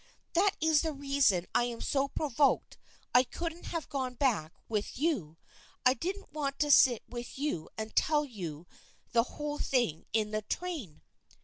" That is the reason I am so provoked I couldn't have gone back with you. I did want to sit with you and tell you the whole thing in the train."